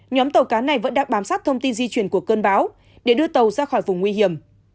nhóm tàu cá này vẫn đang bám sát thông tin di chuyển của cơn bão để đưa tàu ra khỏi vùng nguy hiểm